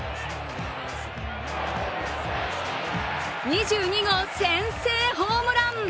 ２２号先制ホームラン。